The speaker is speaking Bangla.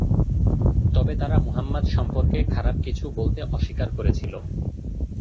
তবে তারা মুহাম্মাদ সম্পর্কে খারাপ কিছু বলতে অস্বীকার করেছিল।